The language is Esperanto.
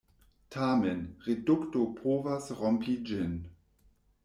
Tamen, redukto povas rompi ĝin.